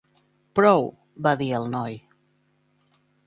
"Prou", va dir el noi.